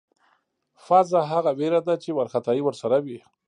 فذع هغه وېره ده چې وارخطایی ورسره وي.